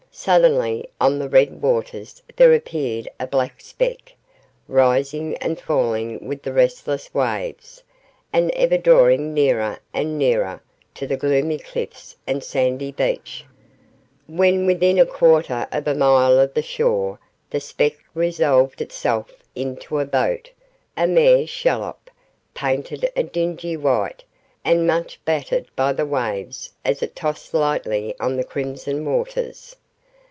Suddenly on the red waters there appeared a black speck, rising and falling with the restless waves, and ever drawing nearer and nearer to the gloomy cliffs and sandy beach. When within a quarter of a mile of the shore, the speck resolved itself into a boat, a mere shallop, painted a dingy white, and much battered by the waves as it tossed lightly on the crimson waters.